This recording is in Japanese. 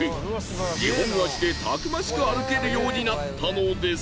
２本足でたくましく歩けるようになったのです。